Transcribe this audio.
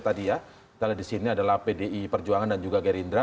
yang umpet tadi ya kalau disini adalah pdi perjuangan dan juga gerindra